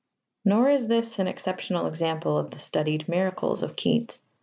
Nor is this an exceptional example of the studied miracles of Keats.